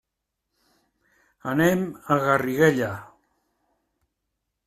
Anem a Garriguella.